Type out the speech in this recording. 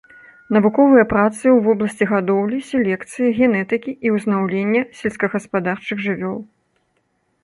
Навуковыя працы ў вобласці гадоўлі, селекцыі, генетыкі і ўзнаўлення сельскагаспадарчых жывёл.